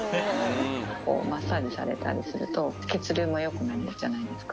マッサージされたりすると、血流もよくなるじゃないですか。